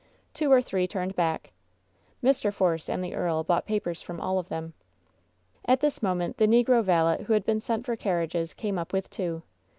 Two or three turned back. Mr. Force and the earl bought papers from all of them. At this moment the negro valet who had been sent for carriages came up with two.